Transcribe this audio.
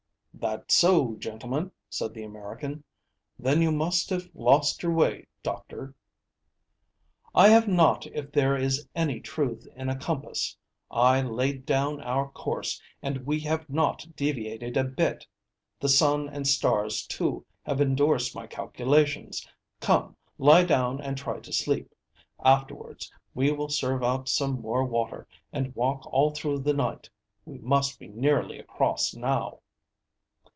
"That's so, gentlemen," said the American. "Then you must have lost your way, doctor." "I have not if there is any truth in a compass. I laid down our course, and we have not deviated a bit. The sun and stars too have endorsed my calculations. Come, lie down and try to sleep. Afterwards we will serve out some more water, and walk all through the night. We must be nearly across now."